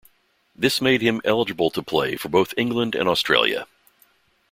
This made him eligible to play for both England and Australia.